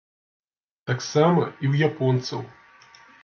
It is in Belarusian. Таксама і ў японцаў.